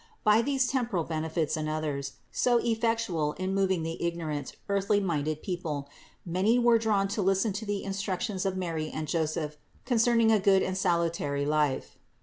By these temporal benefits and others, so effectual in moving the ignorant, earthly minded people, many were drawn to listen to the instruc tions of Mary and Joseph concerning a good and salutary life.